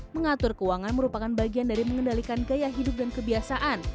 mengatur keuangan merupakan bagian dari mengendalikan gaya hidup dan kebiasaan